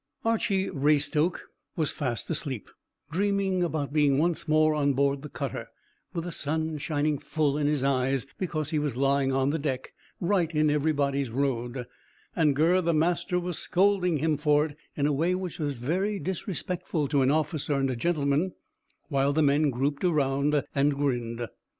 Archy Raystoke was fast asleep, dreaming about being once more on board the cutter, with the sun shining full in his eyes, because he was lying on the deck, right in everybody's road, and Gurr the master was scolding him for it in a way which was very disrespectful to an officer and a gentleman, while the men grouped around grinned.